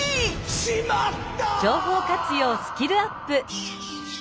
「しまった！」。